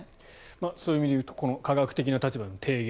そういう意味で言うと科学的な立場での提言。